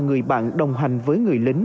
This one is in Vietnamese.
người bạn đồng hành với người lính